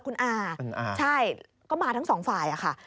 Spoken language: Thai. คุณอาใช่ก็มาทั้งสองฝ่ายค่ะ